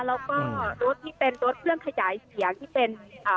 แล้วก็รถที่เป็นรถเครื่องขยายเสียงที่เป็นอ่า